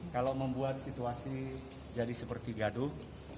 kalau membuat situasi jadi seperti gaduh